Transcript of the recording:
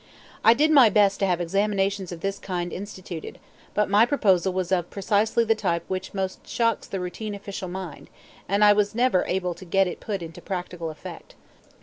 I did my best to have examinations of this kind instituted, but my proposal was of precisely the type which most shocks the routine official mind, and I was never able to get it put into practical effect.